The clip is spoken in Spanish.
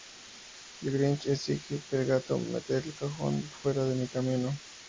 El Grinch exige que el gato "meter el cajón fuera de mi camino!